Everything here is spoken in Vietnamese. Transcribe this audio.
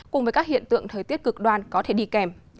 cùng với các hiện tượng thời tiết cực đoan có thể đi kèm